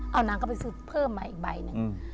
เอานางก็ไปซื้อเพิ่มมาอีกใบหนึ่ง